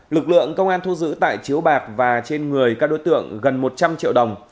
lực lượng công an thu giữ tại chiếu bạc và trên người các đối tượng gần một trăm linh triệu đồng